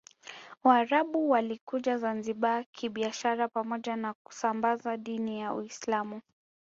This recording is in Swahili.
Waarabu walikuja Zanzibar kibiashara pamoja na kusambaza dini ya Uislamu